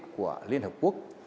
của liên hợp quốc